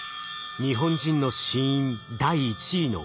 日本人の死因第１位のがん。